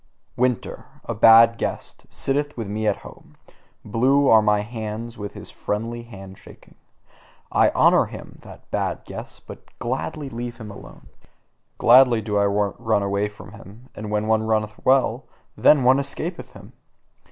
Winter, a bad guest, sitteth with me at home; blue are my hands with his friendly hand shaking. I honour him, that bad guest, but gladly leave him alone. Gladly do I run away from him; and when one runneth WELL, then one escapeth him!